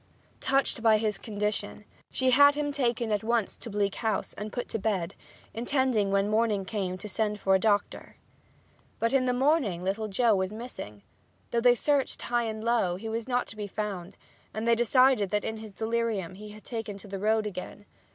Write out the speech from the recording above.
Touched by his condition she had him taken at once to Bleak House and put to bed, intending when morning came to send for a doctor. But in the morning little Joe was missing. Though they searched high and low he was not to be found, and they decided that in his delirium he had taken to the road again.